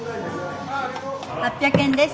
８００円です。